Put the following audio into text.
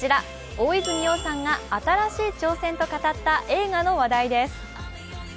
大泉洋さんが新しい挑戦と語った映画の話題です。